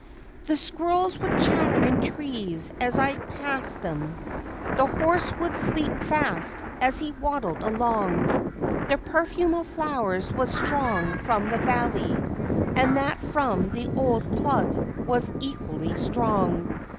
The squirrels would chatter in trees as I passed them; the horse would sleep fast as he waddled along; The perfume of flowers was strong from the valley, and that from the old plug was equally strong.